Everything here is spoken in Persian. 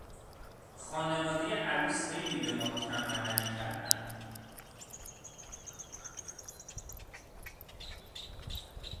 خانوادهی عروس خیلی به ما کم محلی کردند.